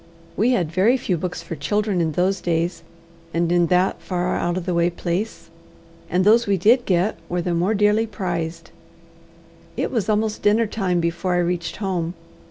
We had very few books for children in those days and in that far out of the way place, and those we did get were the more dearly prized. It was almost dinner time before I reached home.